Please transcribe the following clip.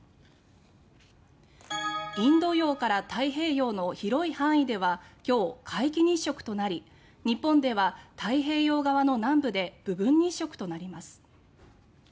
インド洋から太平洋の広い範囲では今日皆既日食となり日本では太平洋側の南部で部分日食となります。